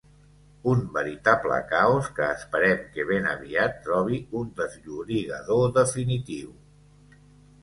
Un veritable caos que esperem que ben aviat trobi un desllorigador definitiu.